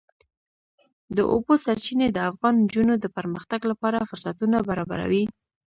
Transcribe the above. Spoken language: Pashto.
د اوبو سرچینې د افغان نجونو د پرمختګ لپاره فرصتونه برابروي.